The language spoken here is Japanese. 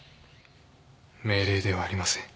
命令ではありません。